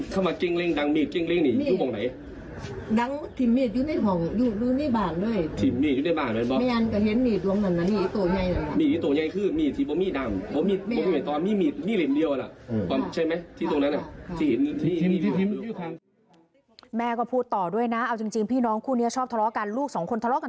ทีมมีดอยู่ในบ้าน